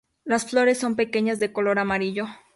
Las flores son pequeñas, de color amarillo.